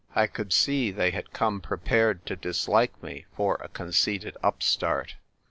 I could see they had come prepared to dislike me for a conceited upstart.